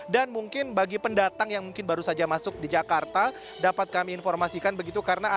dan mungkin bagi pendatang yang baru saja masuk di jakarta dapat kami informasikan begitu karena ada